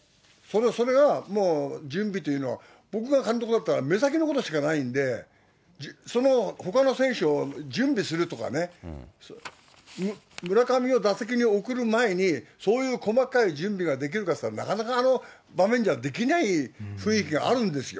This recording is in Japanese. それがもう準備というのは、僕が監督だったら、目先のことしかないんで、そのほかの選手を準備するとかね、村上を打席に送る前に、そういう細かい準備ができるかっていったら、なかなか、あの場面ではできない雰囲気があるんですよ。